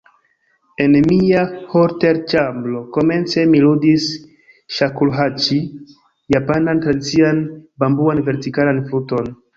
En mia hotelĉambro, komence mi ludis ŝakuhaĉi, japanan tradician bambuan vertikalan fluton.